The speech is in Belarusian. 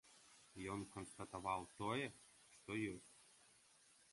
Ён канстатаваў тое, што ёсць.